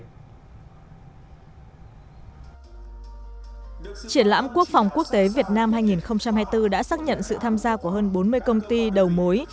triển lãm quốc phòng quốc tế việt nam hai nghìn hai mươi bốn đã xác nhận sự tham gia của hơn bốn mươi công ty đầu mối